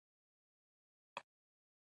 دلته د استقراضي پانګې په اړه معلومات وړاندې کوو